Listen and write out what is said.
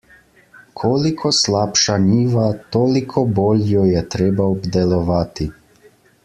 Koliko slabša njiva, toliko bolj jo je treba obdelovati.